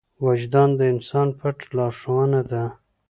وجدان د انسان پټه لارښوونه ده.